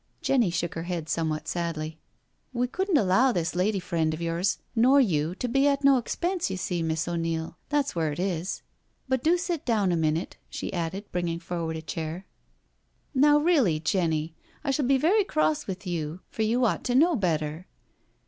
Jenny shook her head somewhat sadly. " We couldn't allow %is lady friend of yours nor you to be at no expense, you see. Miss O'Neil — ^that's where it is. But do sit down a minute," she added, bringing forward a chair. " Now really, Jenny, I shall be very cross with you, for you ought to know better."